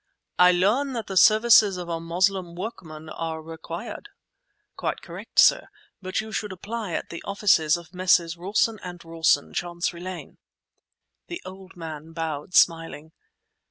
"I learn that the services of a Moslem workman are required." "Quite correct, sir; but you should apply at the offices of Messrs. Rawson & Rawson, Chancery Lane." The old man bowed, smiling.